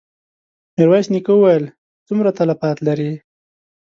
ميرويس نيکه وويل: څومره تلفات لرې؟